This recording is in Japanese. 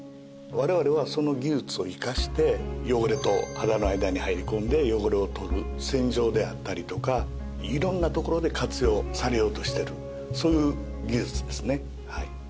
我々はその技術を生かして汚れと肌の間に入り込んで汚れを取る洗浄であったりとか色んなところで活用されようとしているそういう技術ですね。